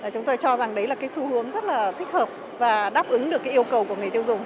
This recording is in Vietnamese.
chúng tôi cho rằng đấy là cái xu hướng rất là thích hợp và đáp ứng được cái yêu cầu của người tiêu dùng